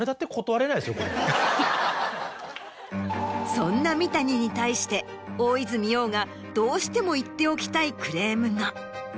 そんな三谷に対して大泉洋がどうしても言っておきたいクレームが。